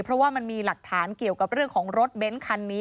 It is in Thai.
เพราะว่ามันมีหลักฐานเกี่ยวกับเรื่องของรถเบ้นคันนี้